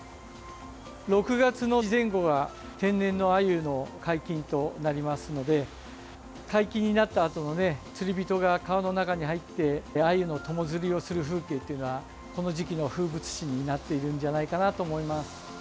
６月の前後が天然のアユの解禁となりますので解禁になったあとの釣り人が川の中に入ってアユの友釣りをする風景というのはこの時期の風物詩になっているんじゃないかなと思います。